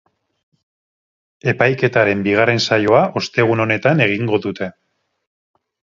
Epaiketaren bigarren saioa ostegun honetan egingo dute.